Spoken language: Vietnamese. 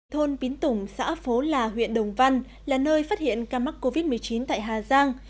thôn pín tủng xã phố là huyện đồng văn là nơi phát hiện ca mắc covid một mươi chín tại hà giang